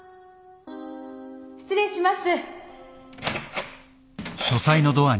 失礼します